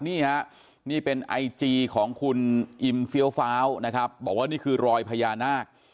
นี่ฮะนี่เป็นไอจีของคุณอิมเฟี้ยวฟ้าวนะครับบอกว่านี่คือรอยพญานาค